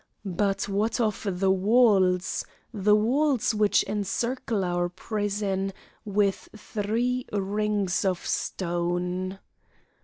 But what of the walls? The walls which encircle our prison, with three rings of stone?